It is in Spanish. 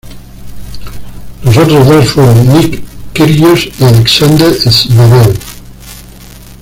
Los otros dos fueron Nick Kyrgios y Alexander Zverev.